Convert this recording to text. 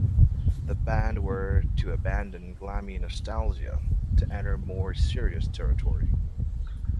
The band were to abandon glammy nostalgia to enter more serious territory.